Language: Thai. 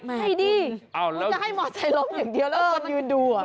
ไม่ดีจะให้มอไซลมอย่างเดียวแล้วคนยืนดู